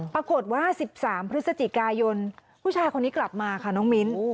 ปรากฏว่า๑๓พฤศจิกายนผู้ชายคนนี้กลับมาค่ะน้องมิ้น